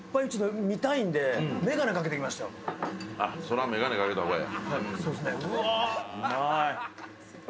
それは眼鏡かけた方がええ。